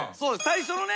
最初のね